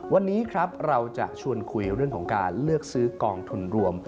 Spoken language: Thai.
วันนี้ครับเราจะชวนคุยเรื่องของการเลือกซื้อกองทุนรวม